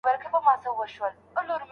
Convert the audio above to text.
د ليونتوب ياغي، باغي ژوند مي په کار نه راځي